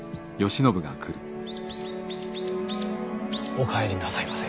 お帰りなさいませ。